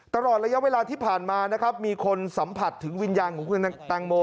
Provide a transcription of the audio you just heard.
ตลอดระยะเวลาที่ผ่านมานะครับมีคนสัมผัสถึงวิญญาณของคุณแตงโม